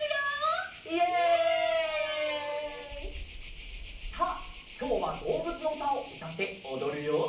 イエイ！さあきょうはどうぶつのうたをうたっておどるよ。